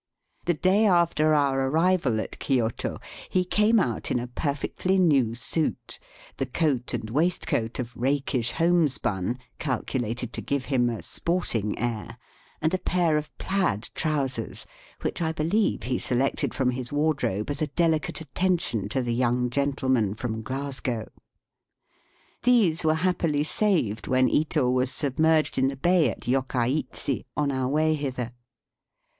The day after our arrival at Kioto he came out in a perfectly new suit, the coat and waistcoat of rakish homespun, calculated to give him a sporting air, and a pair of plaid trousers, which I beUeve he selected from his wardrobe as a delicate attention to the young gentleman from Glasgow. These were happily saved when Ito was submerged in the bay at Yokkaichi on our way hither.